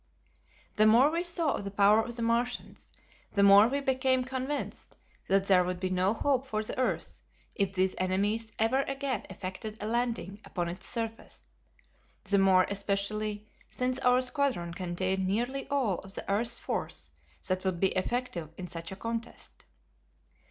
The more we saw of the power of the Martians, the more we became convinced that there would be no hope for the earth, if these enemies ever again effected a landing upon its surface, the more especially since our squadron contained nearly all of the earth's force that would be effective in such a contest.